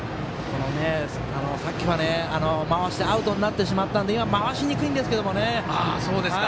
さっきは回してアウトになってしまったので今、回しにくいんですけどね。